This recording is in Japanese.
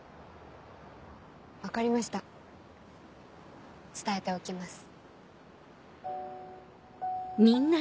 分かりました伝えておきます。